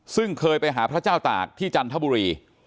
ซึ่งเคยไปหาพระเจ้าตากที่จันทบุรี